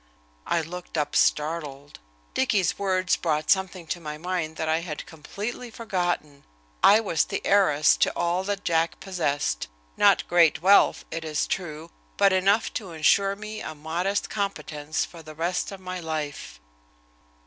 I looked up, startled. Dicky's words brought something to my mind that I had completely forgotten. I was the heiress to all that Jack possessed, not great wealth, it is true, but enough to insure me a modest competence for the rest of my life.